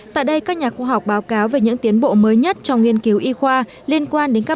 tại đây các nhà khoa học báo cáo về những tiến bộ mới nhất trong nghiên cứu y khoa liên quan đến các